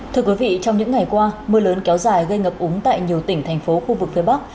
thưa quý vị trong những ngày qua mưa lớn kéo dài gây ngập úng tại nhiều tỉnh thành phố khu vực phía bắc